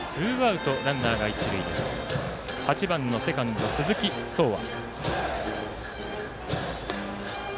８番のセカンド、鈴木爽愛。